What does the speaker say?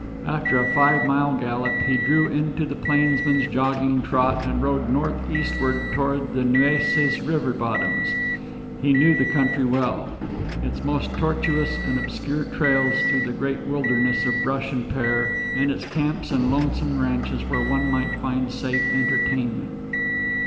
After a five mile gallop he drew in to the plainsman's jogging trot, and rode northeastward toward the Nueces River bottoms. He knew the country well its most tortuous and obscure trails through the great wilderness of brush and pear, and its camps and lonesome ranches where one might find safe entertainment.